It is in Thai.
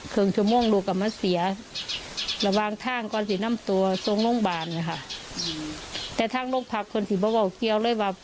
เครื่องชั่วโม่งลูกและมะเสีย